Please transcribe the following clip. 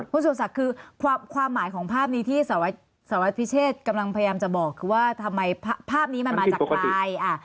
ผู้สูงสักคือความความหมายของภาพนี้ที่สวัสดิ์พิเศษกำลังพยายามจะบอกคือว่าทำไมภาพนี้มันมาจากใครอ่า